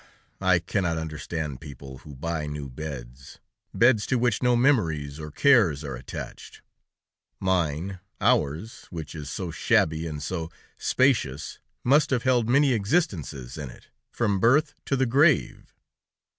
I cannot understand people who buy new beds, beds to which no memories or cares are attached. Mine, ours, which is so shabby, and so spacious, must have held many existences in it, from birth to the grave.